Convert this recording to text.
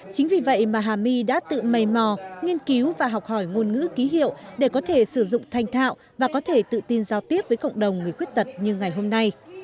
chính vì vậy mà hà my đã tự mây mò nghiên cứu và học hỏi ngôn ngữ ký hiệu để có thể sử dụng thanh thạo và có thể tự tin giao tiếp với cộng đồng người khuyết tật như ngày hôm nay